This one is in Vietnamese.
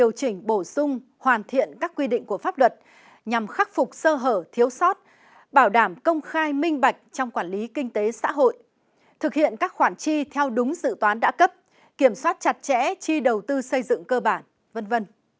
điều chỉnh bổ sung hoàn thiện các quy định của pháp luật nhằm khắc phục sơ hở thiếu sót bảo đảm công khai minh bạch trong quản lý kinh tế xã hội thực hiện các khoản chi theo đúng dự toán đã cấp kiểm soát chặt chẽ chi đầu tư xây dựng cơ bản v v